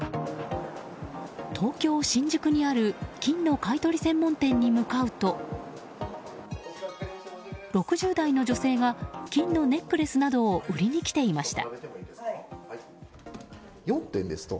東京・新宿にある金の買い取り専門店に向かうと６０代の女性が金のネックレスなどを売りに来ていました。